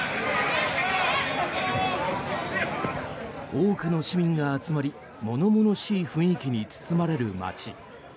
多くの市民が集まり物々しい雰囲気に包まれる街。